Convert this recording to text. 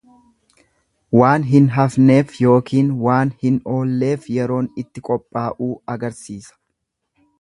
Waan hin hafneef yookiin waan hin oolleef yeroon itti qophaa'uu agarsiisa.